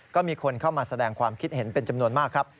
ก็มีคนเข้ามาแสดงความคิดเห็นเป็นจำนวนมากครับ